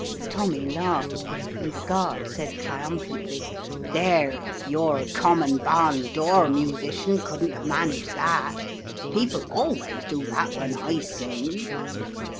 Tommy laughed, and the guard said triumphantly, " There ! your common barn door musician couldn't have managed that ! People always do that when / sing."